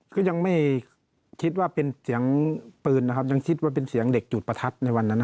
ก็ยังไม่คิดว่าเป็นเสียงปืนนะครับยังคิดว่าเป็นเสียงเด็กจุดประทัดในวันนั้น